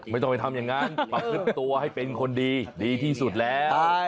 ไม่ต้องไปทำอย่างนั้นประพฤติตัวให้เป็นคนดีดีที่สุดแล้ว